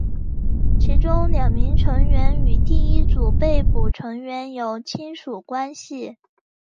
其中两名成员与第一组被捕成员有亲属关系。